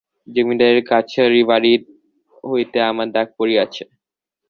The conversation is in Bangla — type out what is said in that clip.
জমিদারের কাছারিবাড়ি হইতে আমার ডাক পড়িয়াছে।